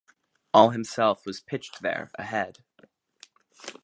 All himself was pitched there, ahead.